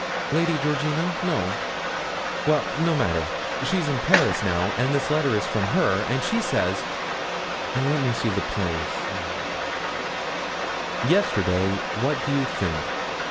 'Lady Georgina? No.' 'Well, no matter; she's in Paris now, and this letter is from her, and she says let me see the place "Yesterday, what do you think?